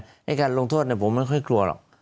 ในการลงโทษผมไม่ค่อยกลัวหรอก